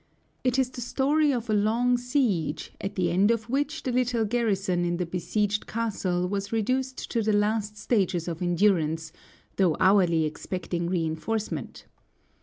It is the story of a long siege, at the end of which the little garrison in the besieged castle was reduced to the last stages of endurance, though hourly expecting reinforcement.